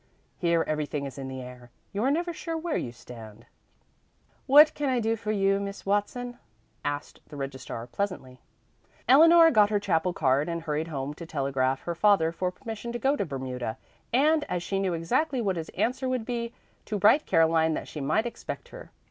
Here everything is in the air; you are never sure where you stand " "What can I do for you, Miss Watson?" asked the registrar pleasantly. Eleanor got her chapel card and hurried home to telegraph her father for permission to go to Bermuda, and, as she knew exactly what his answer would be, to write Caroline that she might expect her.